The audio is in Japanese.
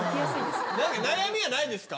悩みはないですか？